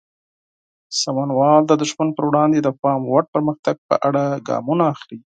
سمونوال د دښمن پر وړاندې د پام وړ پرمختګ په اړه ګامونه اخلي.